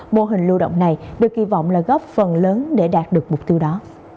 mô hình lưu động này được kỳ vọng là góp phần lớn để đạt được mục tiêu đó